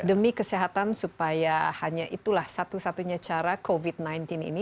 demi kesehatan supaya hanya itulah satu satunya cara covid sembilan belas ini